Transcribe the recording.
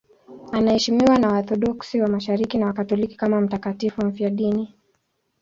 Anaheshimiwa na Waorthodoksi wa Mashariki na Wakatoliki kama mtakatifu mfiadini.